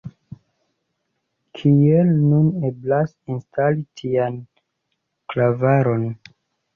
Kiel nun eblas instali tian klavaron?